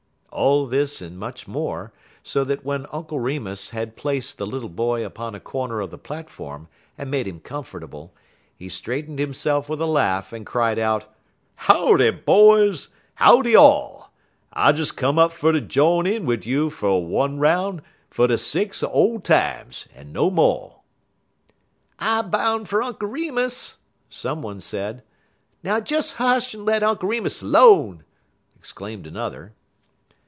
All this and much more, so that when Uncle Remus had placed the little boy upon a corner of the platform, and made him comfortable, he straightened himself with a laugh and cried out: "Howdy, boys! howdy all! I des come up fer ter jine in wid you fer one 'roun' fer de sakes er ole times, ef no mo'." "I boun' fer Unk Remus!" some one said. "Now des hush en let Unk Remus 'lone!" exclaimed another.